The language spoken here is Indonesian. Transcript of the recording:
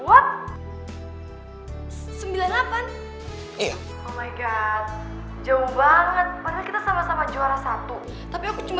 oh my god jauh banget padahal kita sama dua juara satu tapi aku cuma delapan puluh tujuh